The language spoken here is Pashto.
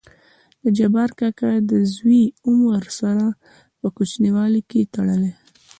دجبار کاکا دزوى عمر سره په کوچينوالي کې تړلى.